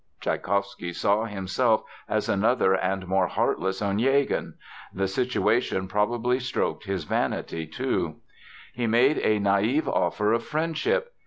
Tschaikowsky saw himself as another and more heartless Onegin. The situation probably stroked his vanity, too. He made a naïve offer of friendship.